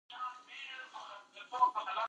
ستاسو د لا بریالیتوبونو په هیله!